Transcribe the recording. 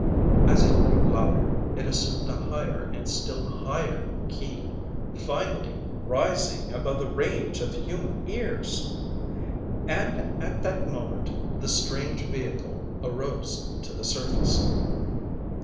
As it grew louder, it assumed a higher and still higher key, finally rising above the range of human ears. And at that moment the strange vehicle arose to the surface.